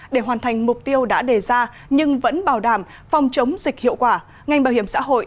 để hoàn thành mục tiêu đã đề ra nhưng vẫn bảo đảm phòng chống dịch hiệu quả ngành bảo hiểm xã hội